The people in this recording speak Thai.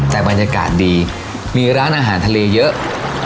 แต่บรรยากาศดีมีร้านอาหารทะเลเยอะ